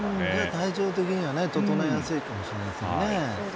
体調的には整えやすいかもしれません。